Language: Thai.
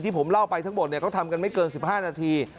ที่ผมเล่าไปทั้งหมดเนี่ยก็ทำกันไม่เกินสิบห้านาที